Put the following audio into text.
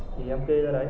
thì em kê ra đấy